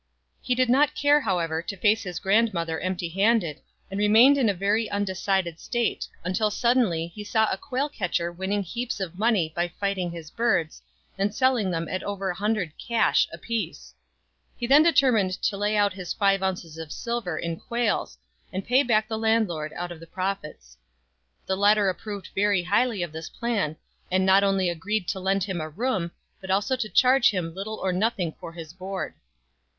He did not care, how ever, to face his grandmother empty handed, and re mained in a very undecided state, until suddenly he saw a quail catcher winning heaps of money by fighting his birds, and selling them at over 100 cash a piece. He then determined to lay out his five ounces of silver in quails, and pay back the landlord out of the profits. The latter approved very highly of this plan, and not only agreed to lend him a room but also to charge him little or nothing for his board.